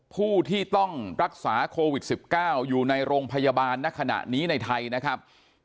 ผู้ที่ต้องรักษาโควิด๑๙อยู่ในโรงพยาบาลณขณะนี้ในไทยนะครับ